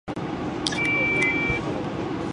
トンネルの開削に従事する